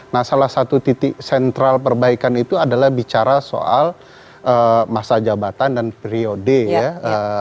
nah salah satu titik sentral perbaikan itu adalah bicara soal masa jabatan dan periode ya